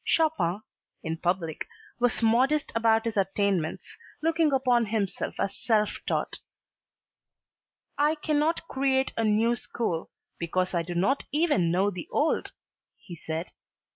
Chopin, in public, was modest about his attainments, looking upon himself as self taught. "I cannot create a new school, because I do not even know the old," he said.